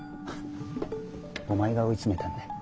お前が追い詰めたんだ。